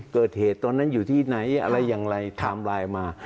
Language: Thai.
ตอนนั้นอยู่ที่ไหนอะไรอย่างไรไทม์ไลน์มา